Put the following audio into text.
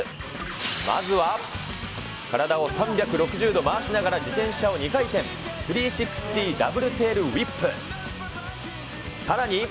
まずは、体を３６０度回しながら自転車を二回転、３６０ダブルテールウィップ。